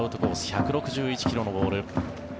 １６１ｋｍのボール。